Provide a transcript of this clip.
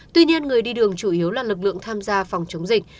tuy nhiên người đi đường chủ yếu là lực lượng tham gia phòng chống dịch